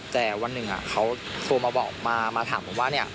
แต่วันหนึ่งเขาโทรมาถามว่าเนี่ย